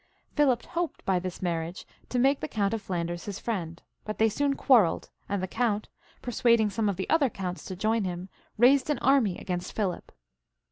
Philip hoped by this marriage to make the Count of Flan ders his friend, but they soon quarrelled, and the count, persuading some of the other counts to join him, raised an army against Philip.